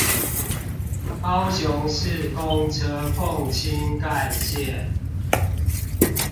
高雄市公車鳳青幹線